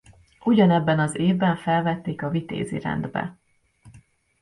Ugyanebben az évben felvették a Vitézi Rendbe.